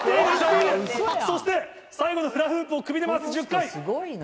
そして最後のフラフープを首で回す１０回。